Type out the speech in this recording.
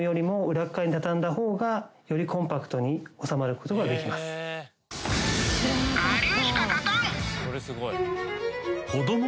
これすごい。